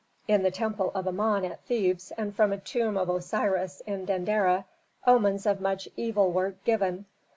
In the temple of Amon at Thebes, and from the tomb of Osiris in Dendera, omens of much evil were given.